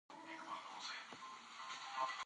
انار د افغانانو د ژوند طرز هم په پوره توګه اغېزمنوي.